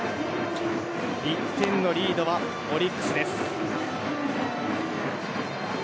１点のリードはオリックスです。